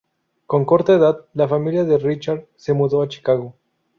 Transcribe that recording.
Con corta edad, la familia de Richard se mudó a Chicago.